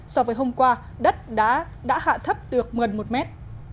so với hôm qua đất đã hạ thấp được gần một mét